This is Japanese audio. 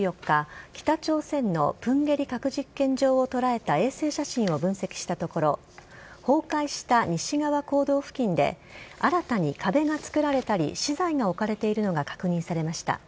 北朝鮮のプンゲリ核実験場を捉えた衛星写真を分析したところ崩壊した西側坑道付近で新たに壁が作られたり資材が置かれているのが確認されました。